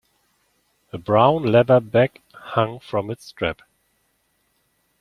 A brown leather bag hung from its strap.